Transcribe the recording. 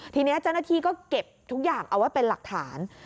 ทีนี้เจ้าหน้าที่ก็เก็บทุกอย่างเอาไว้เป็นหลักฐาน